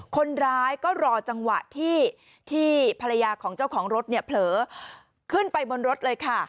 คนร้ายก็รอจังหวะที่ภรรยาของเจ้าของรถเนี่ยเผลอขึ้นไปบนรถเลยค่ะ